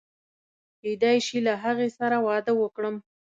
کېدای شي له هغې سره واده وکړم.